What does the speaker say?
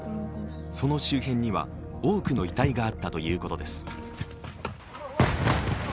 その周辺には多くの遺体があったということです。